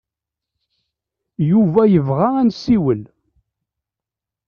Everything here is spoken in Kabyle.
Yuba yebɣa ad nessiwel.